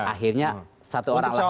akhirnya satu orang yang muncul